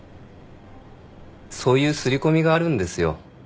そういう刷り込みがあるんですよ。